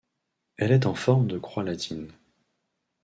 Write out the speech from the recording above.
Elle est en forme de croix latine.